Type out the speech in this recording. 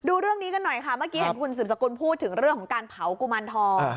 ดูเรื่องนี้กันหน่อยค่ะเมื่อกี้เห็นคุณสืบสกุลพูดถึงเรื่องของการเผากุมารทอง